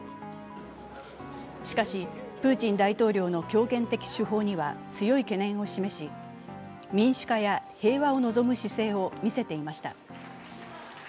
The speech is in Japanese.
しかし、プーチン大統領の強権的手法には強い懸念を示し民主化や平和を望む姿勢を見せていました。